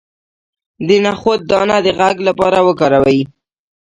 د نخود دانه د غږ لپاره وکاروئ